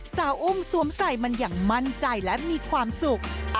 อุ้มสวมใส่มันอย่างมั่นใจและมีความสุข